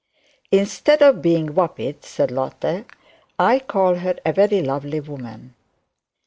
'Instead of being vapid,' said Lotte, 'I call her a very lovely woman.